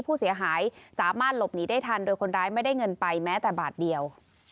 ผู้เสียหายสามารถหลบหนีได้ทันโดยคนร้ายไม่ได้เงินไปแม้แต่บาทเดียว